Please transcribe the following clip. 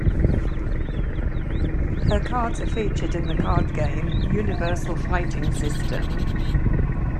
Her cards are featured in the card game "Universal Fighting System".